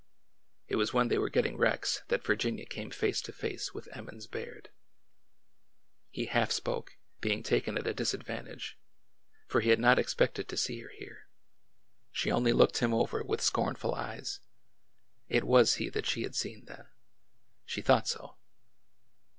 It was when they were getting Rex that Virginia came face to face with Emmons Baird. He half spoke, being taken at a disadvantage, for he had not expected to see A DAY OF SOWING 213 her here. She only looked him over with scornful eyes. It was he that she had seen, then. She thought so.